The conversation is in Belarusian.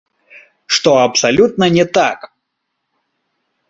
Што абсалютна не так!